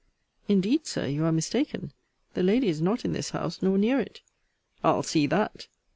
Indeed, Sir, you are mistaken. The lady is not in this house, nor near it. I'll see that.